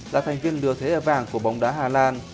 là thành viên lừa thế là vàng của bóng đá hà lan